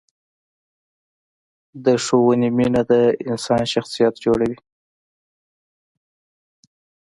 د ښوونې مینه د انسان شخصیت جوړوي.